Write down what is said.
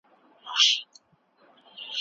ډاکټران وايي، د ماشوم د هډوکو لپاره شیدې اړینې دي.